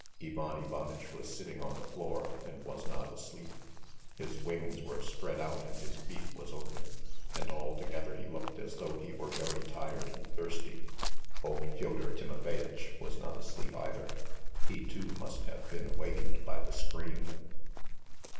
Ivan Ivanitch was sitting on the floor and was not asleep. His wings were spread out and his beak was open, and altogether he looked as though he were very tired and thirsty. Old Fyodor Timofeyitch was not asleep either. He, too, must have been awakened by the scream.